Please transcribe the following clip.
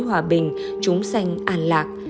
hòa bình chúng sanh an lạc